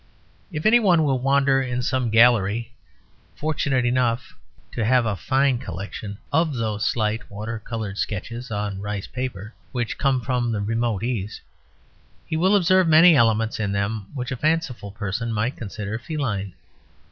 If any one will wander in some gallery fortunate enough to have a fine collection of those slight water colour sketches on rice paper which come from the remote East, he will observe many elements in them which a fanciful person might consider feline.